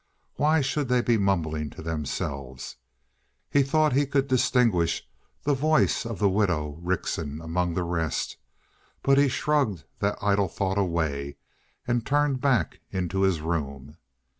Why should they be mumbling to themselves? He thought he could distinguish the voice of the widow Rickson among the rest, but he shrugged that idle thought away and turned back into his room.